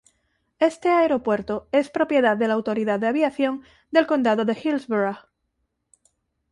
Este aeropuerto es propiedad de la Autoridad de Aviación del Condado de Hillsborough.